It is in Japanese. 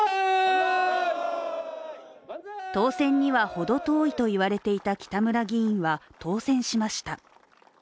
当選には程遠いと言われていた北村議員は当選しました。